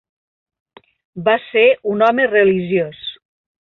Va ser un home religiós.